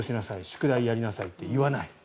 宿題やりなさいって言わない。